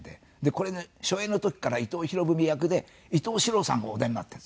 これの初演の時から伊藤博文役で伊東四朗さんがお出になってるんです。